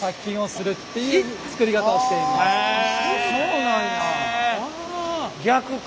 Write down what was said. そうなんや。